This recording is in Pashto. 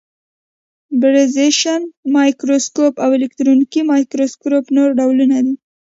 پالرېزېشن مایکروسکوپ او الکترونیکي مایکروسکوپ نور ډولونه دي.